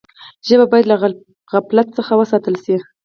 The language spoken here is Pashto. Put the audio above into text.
ژبه باید له غفلت څخه وساتل سي.